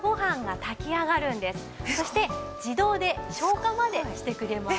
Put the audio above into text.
そして自動で消火までしてくれます。